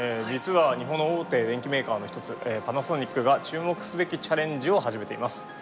実は日本の大手電機メーカーの一つパナソニックが注目すべきチャレンジを始めています。